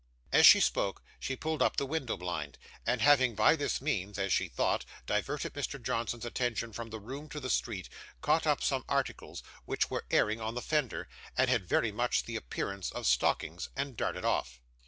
As she spoke, she pulled up the window blind, and having by this means (as she thought) diverted Mr. Johnson's attention from the room to the street, caught up some articles which were airing on the fender, and had very much the appearance of stockings, and darted off.